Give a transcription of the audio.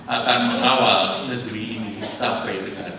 akan mengawal negeri ini sampai dengan dua ribu empat puluh lima